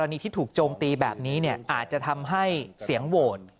อันนี้ที่ถูกโจมตีแบบนี้อาจจะทำให้เสียงโหวต